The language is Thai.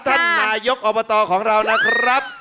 ท่านนายกอบตของเรานะครับ